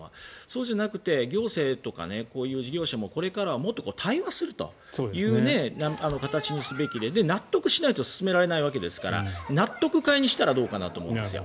そうじゃなくて行政とかこういう事業者もこれからは対話するという形にすべきで納得しないと進められないわけですから納得会にしたらどうかと思うんですよ。